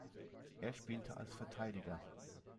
Er spielte als Verteidiger.